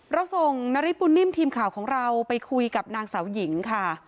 เราส่งนาริสปุ่นนิ่มทีมข่าวของเราไปคุยกับนางสาวหญิงค่ะ